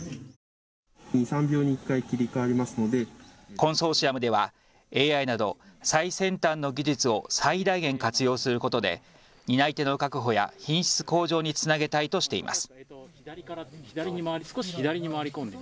コンソーシアムではＡＩなど最先端の技術を最大限活用することで担い手の確保や品質向上につなげたいとしています。